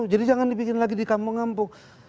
jadi jangan dibikin lagi di kampung ampung